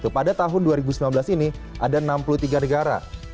pada tahun dua ribu sembilan belas ini ada enam puluh tiga negara